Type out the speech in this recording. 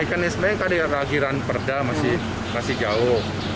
mekanisme yang tadi lagiran perda masih jauh